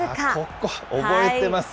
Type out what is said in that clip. ここ、覚えてますよ。